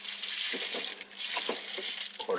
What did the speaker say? これ。